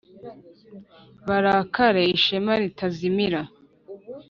Barakare ishema ritazimira